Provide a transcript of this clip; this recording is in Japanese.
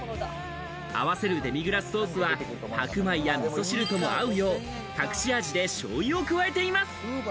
合わせるデミグラスソースは、白米やみそ汁とも合うよう、隠し味でしょうゆを加えています。